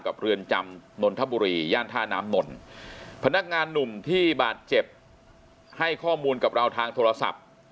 เรือนจำนนทบุรีย่านท่าน้ำนนพนักงานหนุ่มที่บาดเจ็บให้ข้อมูลกับเราทางโทรศัพท์